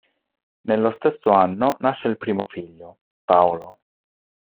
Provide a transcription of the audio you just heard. Nello stesso anno nasce il primo figlio, Paolo.